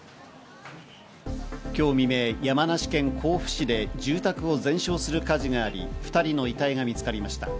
今日未明、山梨県甲府市で住宅を全焼する火事があり、２人の遺体が見つかりました。